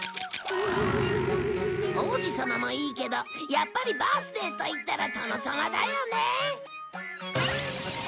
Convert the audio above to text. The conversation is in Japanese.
王子様もいいけどやっぱりバースデーといったら殿様だよね！